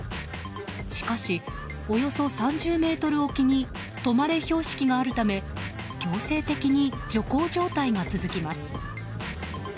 しかし、およそ３０ｍおきに「止まれ」標識があるため強制的に徐行状態が続きます。